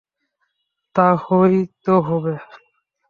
তা হয় তো হবে।